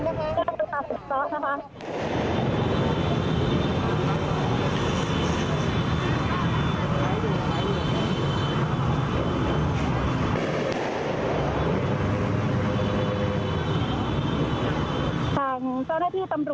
ด้วยการพยายามควบคุมสถานการณ์ไม่ให้ยืดเยอะยาวนานเช่นทั้งที่สามมานะคะ